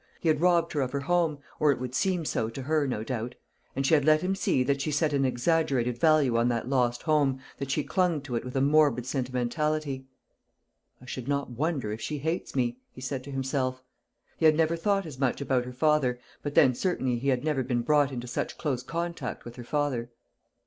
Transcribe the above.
He had robbed her of her home, or it would seem so to her, no doubt; and she had let him see that she set an exaggerated value on that lost home, that she clung to it with a morbid sentimentality. "I should not wonder if she hates me," he said to himself. He had never thought as much about her father, but then certainly he had never been brought into such close contact with her father.